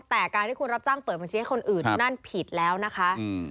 แต่การที่คุณรับจ้างเปิดบัญชีให้คนอื่นนั่นผิดแล้วนะคะ